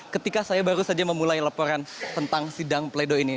ketika saya baru saja memulai laporan tentang sidang pledo ini